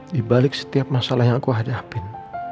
di balik setiap masalah yang aku hadapin